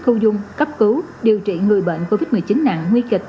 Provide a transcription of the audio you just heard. trong cái cuộc chiến này